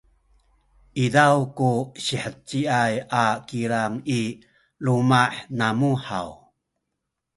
izaw ku siheciay a kilang i luma’ namu haw?